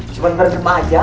cuma berjeb aja